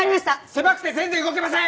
狭くて全然動けません！